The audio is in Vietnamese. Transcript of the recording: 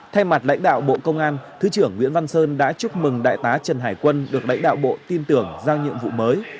thay mặt lãnh đạo bộ công an thứ trưởng nguyễn văn sơn đã chúc mừng đại tá trần hải quân được lãnh đạo bộ tin tưởng giao nhiệm vụ mới